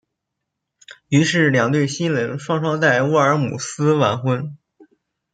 于是两对新人双双在沃尔姆斯完婚。